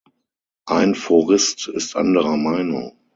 Ein Forist ist anderer Meinung.